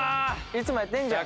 いつもやってんじゃん。